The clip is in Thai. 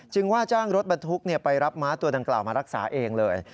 ว่าจ้างรถบรรทุกไปรับม้าตัวดังกล่าวมารักษาเองเลย